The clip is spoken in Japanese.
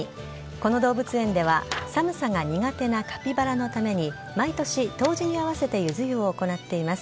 この動物園では寒さが苦手なカピバラのために、毎年、冬至に合わせてゆず湯を行っています。